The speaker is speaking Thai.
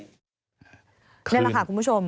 นี่แหละค่ะคุณผู้ชม